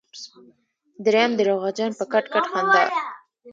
دريم درواغجن په کټ کټ وخندل.